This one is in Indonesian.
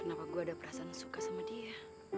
kenapa gue ada perasaan suka sama dia